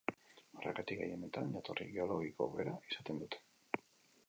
Horregatik, gehienetan jatorri geologiko bera izaten dute.